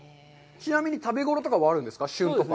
ちなみに、食べごろとかはあるんですか、旬とか。